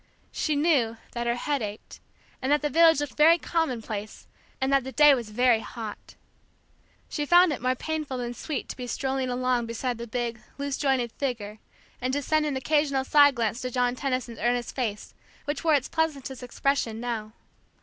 She knew that her head ached, and that the village looked very commonplace, and that the day was very hot. She found it more painful than sweet to be strolling along beside the big, loose jointed figure, and to send an occasional side glance to John Tenison's earnest face, which wore its pleasantest expression now.